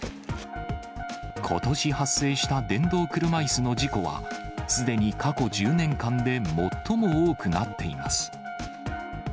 ことし発生した電動車いすの事故は、すでに過去１０年間で最も多くなっています。